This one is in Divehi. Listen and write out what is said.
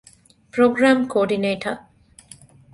ޕްރޮގްރާމް ކޯޑިނޭޓަރ